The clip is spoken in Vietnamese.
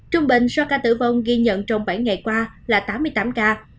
trung bình số ca tử vong ghi nhận trong bảy ngày qua là tám mươi tám ca